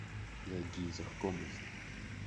Иагьизыхгомызт.